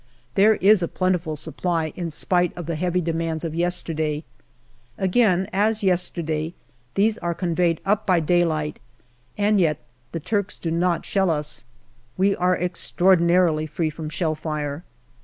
There is a plentiful supply, in spite of the heavy demands of yesterday. Again, as yesterday, these are conveyed up by daylight, and yet the Turks do not shell us. We are extraordinarily free from shell fire.